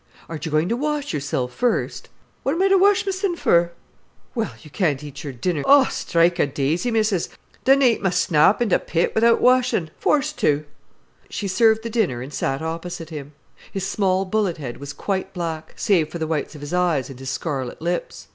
"Aren't you goin' to wash yourself first?" "What am I to wesh mysen for?" "Well, you can't eat your dinner——" "Oh, strike a daisy, Missis! Dunna I eat my snap i' th' pit wi'out weshin'?—forced to." She served the dinner and sat opposite him. His small bullet head was quite black, save for the whites of his eyes and his scarlet lips.